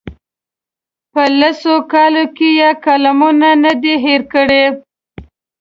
په لسو کالو کې یې کالمونه نه دي هېر کړي.